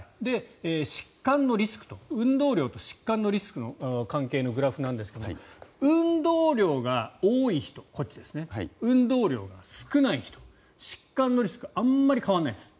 疾患のリスク運動量と疾患のリスクのグラフなんですが運動量が多い人運動量が少ない人疾患のリスクあまり変わらないです。